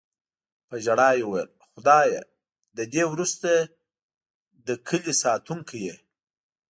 په ژړا یې وویل: "خدایه، له دې وروسته د کیلي ساتونکی یې".